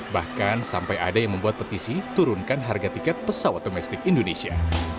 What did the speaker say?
bahkan sampai ada yang membuat petisi turunkan harga tiket pesawat domestik indonesia